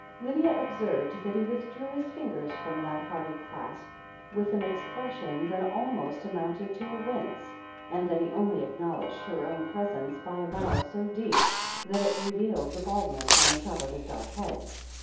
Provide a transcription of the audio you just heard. Lydia observed that he withdrew his fingers from that hearty clasp with an expression that almost amounted to a wince, and that he only acknowledged her own presence by a bow so deep that it revealed the baldness on the top of his dark head.